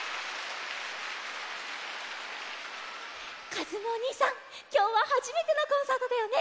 かずむおにいさんきょうははじめてのコンサートだよね？